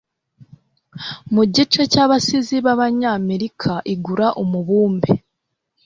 mu gice cy'abasizi b'abanyamerika, igura umubumbe